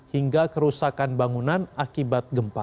hingga kerusakan bangunan akibat gempa